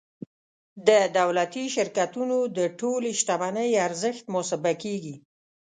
د دولتي شرکتونو د ټولې شتمنۍ ارزښت محاسبه کیږي.